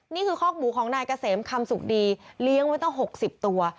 นี่คือคอกหมูของนายเกษมคำสุขดีเลี้ยงไว้ตั้ง๖๐ตัว